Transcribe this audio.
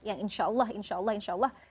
yang insya allah insya allah insya allah